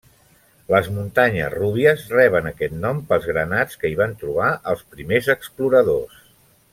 Les muntanyes 'Rubies' reben aquest nom pels granats que hi van trobar els primers exploradors.